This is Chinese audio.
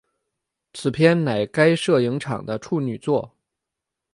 此片乃该摄影场的处女作。